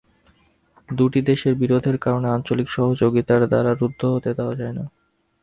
দুটি দেশের বিরোধের কারণে আঞ্চলিক সহযোগিতার ধারা রুদ্ধ হতে দেওয়া যায় না।